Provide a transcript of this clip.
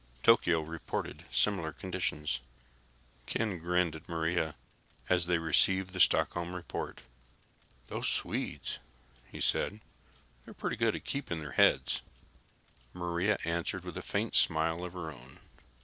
Tokyo reported similar conditions. Ken grinned at Maria as they received the Stockholm report. "Those Swedes," he said. "They're pretty good at keeping their heads." Maria answered with a faint smile of her own.